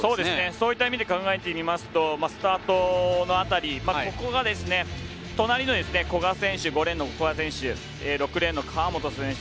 そういった意味で考えてみますとスタートの辺りが隣の５レーンの古賀選手６レーンの川本選手